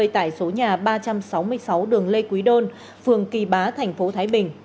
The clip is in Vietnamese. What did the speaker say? tại số nhà ba trăm sáu mươi sáu đường lê quý đôn phường kỳ bá tp thái bình